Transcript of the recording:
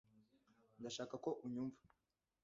ndashaka ko unyumva.